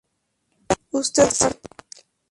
usted partiese